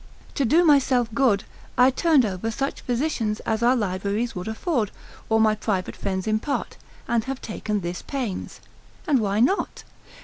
To do myself good I turned over such physicians as our libraries would afford, or my private friends impart, and have taken this pains. And why not?